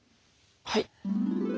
はい。